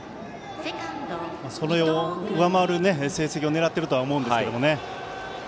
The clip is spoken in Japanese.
それを上回る成績を狙っていると思いますけどね。